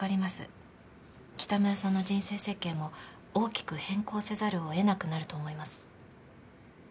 北村さんの人生設計も大きく変更せざるを得なくなると思います。